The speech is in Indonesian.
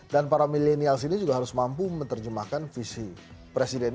dan para milenials ini juga harus mampu menerjemahkan visi presiden